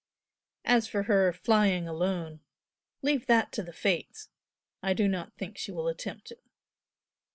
As for her 'flying alone' leave that to the fates! I do not think she will attempt it."